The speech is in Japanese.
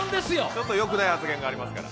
ちょっとよくない発言がありますから。